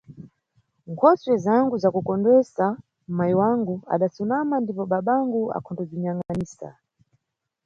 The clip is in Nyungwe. Nkhosuwe zangu zakukondwesesa, mayi wangu adasunama ndipo babangu akhatondokubziyangʼanisa.